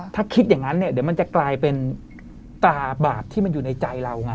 ถ้าคิดอย่างนั้นเนี่ยเดี๋ยวมันจะกลายเป็นตาบาปที่มันอยู่ในใจเราไง